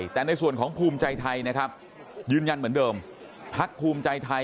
แต่ในส่วนของภูมิใจไทยนะครับยืนยันเหมือนเดิมพักภูมิใจไทย